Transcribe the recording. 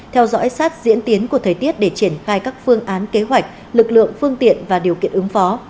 theo dõi sát diễn tiến của thời tiết để triển khai các phương án kế hoạch lực lượng phương tiện và điều kiện ứng phó